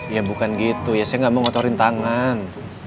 ya bukan gitu ya saya gak mau ngotorin tangan